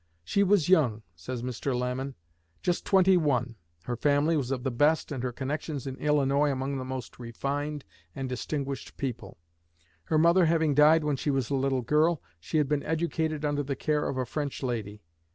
"She was young," says Mr. Lamon, "just twenty one, her family was of the best and her connections in Illinois among the most refined and distinguished people. Her mother having died when she was a little girl, she had been educated under the care of a French lady.